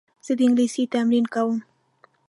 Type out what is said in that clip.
زه د انګلیسي تمرین کوم.